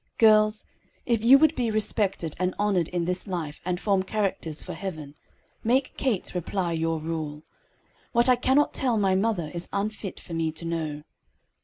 Girls, if you would be respected and honored in this life and form characters for heaven, make Kate's reply your rule: "_What I cannot tell my mother is unfit for me to know."